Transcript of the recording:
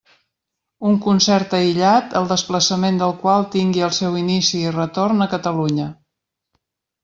Un concert aïllat, el desplaçament del qual tingui el seu inici i retorn a Catalunya.